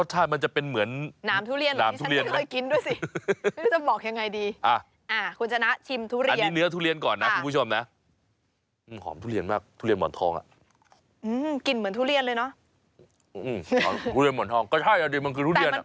อย่าไปพูดแบบนั้นคุณผู้ชมตกอกตกใจมาก